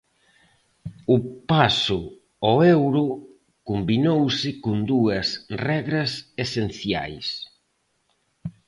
O paso ao euro combinouse con dúas regras esenciais.